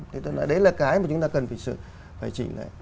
thì tôi nói đấy là cái mà chúng ta cần phải chỉnh lại